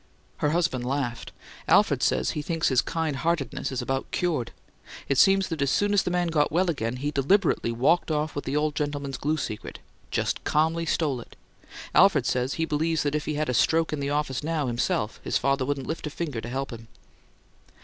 Her husband laughed. "Alfred says he thinks his kind heartedness is about cured! It seems that as soon as the man got well again he deliberately walked off with the old gentleman's glue secret. Just calmly stole it! Alfred says he believes that if he had a stroke in the office now, himself, his father wouldn't lift a finger to help him!"